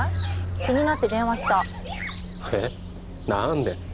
気になって電話したえっ何で？